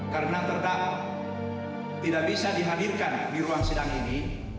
karena terdakwa tidak bisa dihadirkan di ruang sidang ini